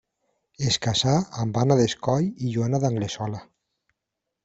Es casà amb Anna Descoll i Joana d'Anglesola.